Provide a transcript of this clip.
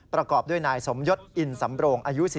ประกอบด้วยนายสมยศอินสำโรงอายุ